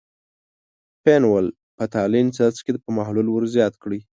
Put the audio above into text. فینول – فتالین څاڅکي په محلول ور زیات کړئ.